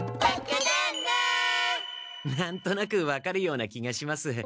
何となく分かるような気がします。